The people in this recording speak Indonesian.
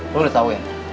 lo udah tau